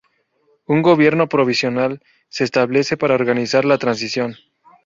Un gobierno provisional se establece para organizar la transición.